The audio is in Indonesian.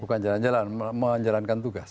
bukan jalan jalan menjalankan tugas